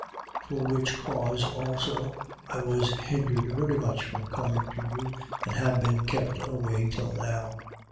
15:22. For which cause also, I was hindered very much from coming to you and have been kept away till now.